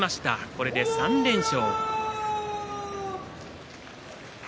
これで３連勝。